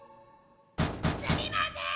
・すみません！